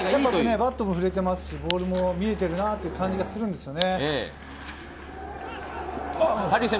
バットも振れていますし、ボールも見えているなという感じがするんですよね。